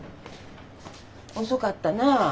遅かったなあ。